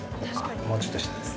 もうちょっと下です。